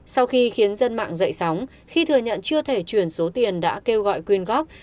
sau khi khiến dân mạng dậy sóng khi thừa nhận chưa thể chuyển số tiền đã kêu gọi quyên góp